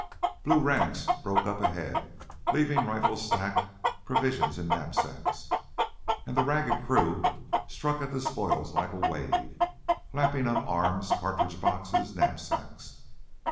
Blue ranks broke up ahead, leaving rifles stacked, provisions in knapsacks. And the ragged crew struck at the spoil like a wave, lapping up arms, cartridge boxes, knapsacks.